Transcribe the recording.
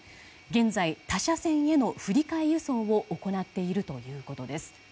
現在、他社線への振り替え輸送を行っているということです。